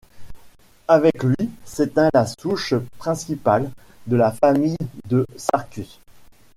Avec lui s'éteint la souche principale de la famille de Sarcus.